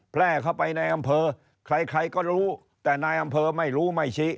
แพร่เข้าไปในอำเภอใครใครก็รู้แต่นายอำเภอไม่รู้ไม่ชี้